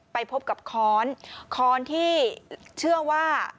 ไปพบกับค้อนค้อนที่เชื่อว่า